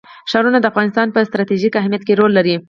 ښارونه د افغانستان په ستراتیژیک اهمیت کې رول لري.